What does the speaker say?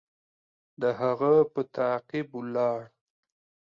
د هغه په تعقیب ولاړ.